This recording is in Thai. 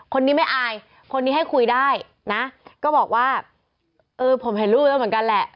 คนนี้ไม่อายคนนี้ให้คุยได้นะก็บอกว่าเออผมเห็นลูกแล้วเหมือนกันแหละ